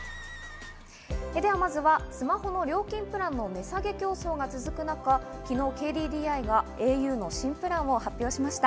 まずは、スマホの料金プランの値下げ競争が続く中、昨日ＫＤＤＩがａｕの新プランを発表しました。